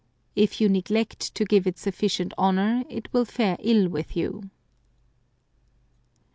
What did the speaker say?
If you neglect to give it sufficient honour it will fare ill with you."